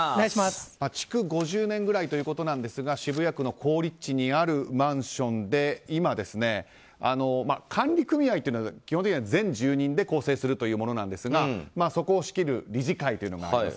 築５０年ぐらいということですが渋谷区の好立地にあるマンションで管理組合というのは基本的には全住人で構成するというものですがそこを仕切る理事会があります。